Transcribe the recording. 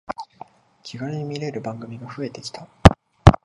気軽に見れる番組が増えてきた